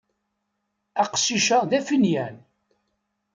Aqcic-a d afinyan.